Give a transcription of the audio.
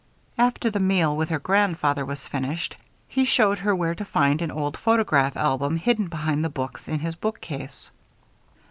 After the meal with her grandfather was finished, he showed her where to find an old photograph album, hidden behind the books in his bookcase.